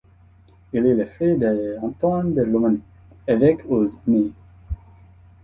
Il est le frère de Antoine de Romanet, évêque aux armées.